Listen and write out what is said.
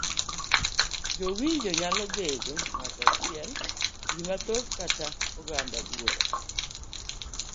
Jawinjio nyalo bedo ng'ato achiel, ji mathoth kata oganda buora.